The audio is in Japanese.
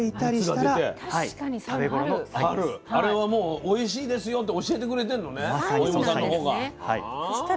あれはもうおいしいですよと教えてくれてんのねおいもさんのほうが。